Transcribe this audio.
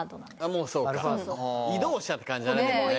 もうそうか移動車って感じだなでもね